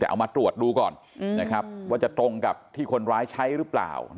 แต่เอามาตรวจดูก่อนว่าจะตรงกับที่คนร้ายใช้หรือเปล่า